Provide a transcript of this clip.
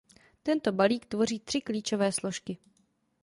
Tento balík tvoří tři klíčové složky.